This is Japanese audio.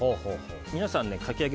皆さん、かき揚げ